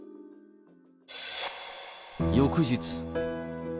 翌日。